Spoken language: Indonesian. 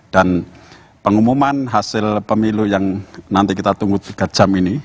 dan pengumuman hasil pemilu yang nanti kita tunggu tiga jam ini